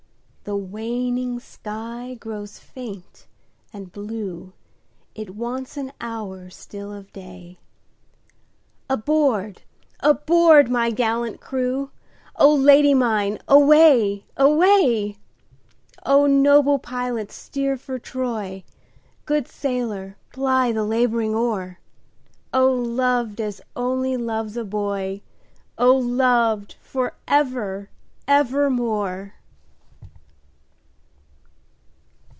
The waning sky grows faint and blue, It wants an hour still of day, Aboard! aboard! my gallant crew,O Lady mine away! away!O noble pilot steer for Troy, Good sailor ply the labouring oar,O loved as only loves a boy!O loved for ever evermore!